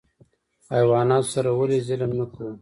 حیواناتو سره ولې ظلم نه کوو؟